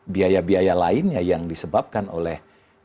biaya biaya lainnya yang disebabkan oleh